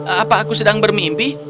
apa aku sedang bermimpi